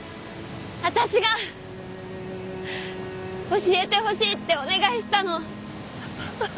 私が教えてほしいってお願いしたの。